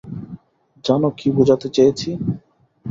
জানো কী বোঝাতে চেয়েছি?